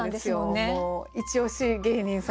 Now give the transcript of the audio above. もうイチ押し芸人さんで。